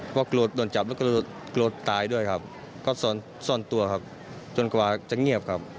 เพราะโกรธโดนจับแล้วก็โกรธตายด้วยครับก็ซ่อนตัวครับจนกว่าจะเงียบครับ